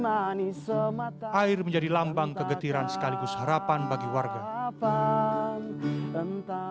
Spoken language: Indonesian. air menjadi lambang kegetiran sekaligus harapan bagi warga